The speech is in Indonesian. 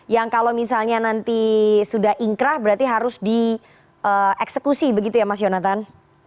yang kalau misalnya nanti sudah ingkrah berarti harus dieksekusi begitu ya mas yonatan